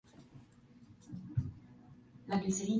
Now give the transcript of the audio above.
Allí permanecieron durante varias semanas.